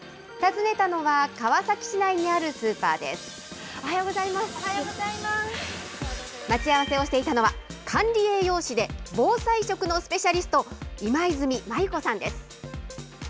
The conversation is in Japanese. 訪ねたのは川崎市内にあるスーパ待ち合わせをしていたのは、管理栄養士で、防災食のスペシャリスト、今泉マユ子さんです。